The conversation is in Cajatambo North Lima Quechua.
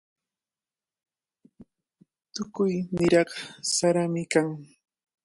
Tukuy niraq sarami kan.